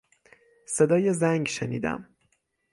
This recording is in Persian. صدای زنگ شنیدم.